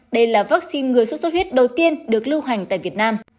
đây là vắc xin ngừa xuất xuất huyết đầu tiên được lưu hành tại việt nam